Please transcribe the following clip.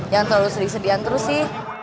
jangan terlalu sering sediakan terus sih